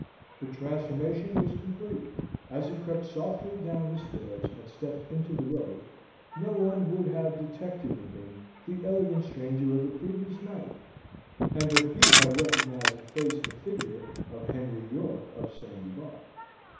The transformation was complete. As he crept softly down the stairs and stepped into the road, no one would have detected in him the elegant stranger of the previous night, and but few have recognized the face and figure of Henry York of Sandy Bar.